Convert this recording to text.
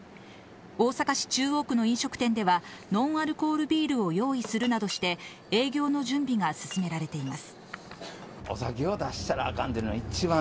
大阪市中央区の飲食店ではノンアルコールビールを用意するなどして営業の準備が進められています。